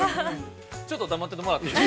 ◆ちょっと黙ってもらっていい？